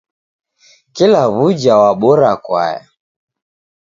Kila w'uja wabora kwaya.